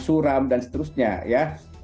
suram dan seterusnya ya